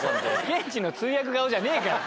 現地の通訳顔じゃねぇから。